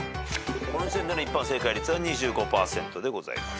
この時点での一般正解率は２５％でございます。